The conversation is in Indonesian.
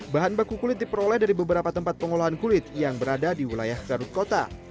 bahan baku kulit diperoleh dari beberapa tempat pengolahan kulit yang berada di wilayah garut kota